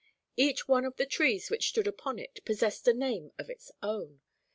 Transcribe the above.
Each one of the trees which stood upon it possessed a name of its own.